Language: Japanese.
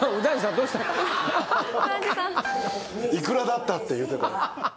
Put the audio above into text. いくらだったって言うてたははは